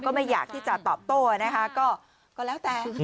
ไม่อยากที่จะตอบโต้นะคะก็แล้วแต่